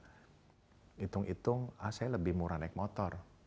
hitung hitung ah saya lebih murah naik motor